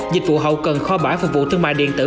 dịch vụ hậu cần kho bãi phục vụ thương mại điện tử